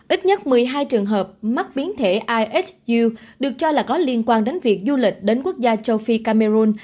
ít nhất một mươi hai trường hợp mắc biến thể isu được cho là có liên quan đến việc du lịch đến quốc gia châu phi cameroon